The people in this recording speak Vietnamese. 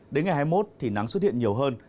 đến ngày hai mươi một thì nắng xuất hiện nhiều hơn